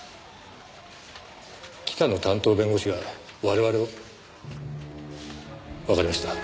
北の担当弁護士が我々を？わかりました。